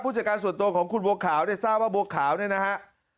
ผู้จัดการส่วนตัวของคุณบัวขาวได้ทราบว่าบัวขาวนี่นะครับ